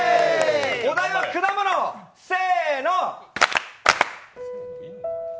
お題は果物、せーの！